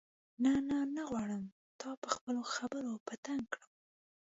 نه نه نه غواړم تا په خپلو خبرو په تنګ کړم.